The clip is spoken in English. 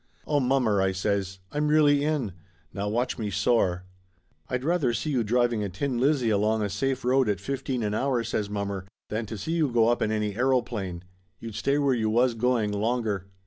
"Oh, mommer!" I says. "I'm really in! Now watch me soar !" "I'd rather see you driving a tin lizzie along a safe road at fifteen an hour," says mommer, "than to see 178 Laughter Limited you go up in any aeroplane. You'd stay where you was going, longer."